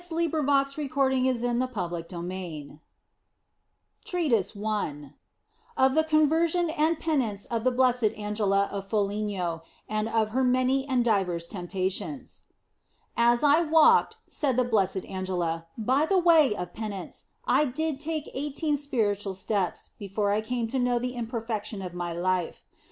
Amen. THE BLESSED ANGELA OF FOLIGNO TREATISE I OF THE CONVERSION AND PENITENCE OF THE BLESSED ANGELA OF FOLIGNO AND OF HER MANY AND DIVERS TEMPTATIONS AS I walked (said the Blessed Angela) by the way of JLjL penitence, I did take eighteen spiritual steps before I came to know the imperfection of my life.